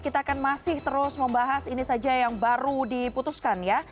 kita akan masih terus membahas ini saja yang baru diputuskan ya